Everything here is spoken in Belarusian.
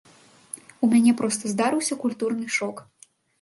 У мяне проста здарыўся культурны шок.